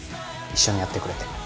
一緒にやってくれて。